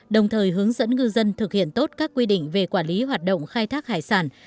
đồng thời hướng dẫn ngư dân thực hiện tốt các quy định về quản lý hoạt động khai thác hải sản